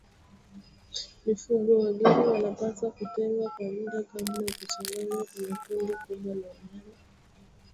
Mifugo wageni wanapaswa kutengwa kwa muda kabla ya kuchanganywa kwenye kundi kubwa la wanyama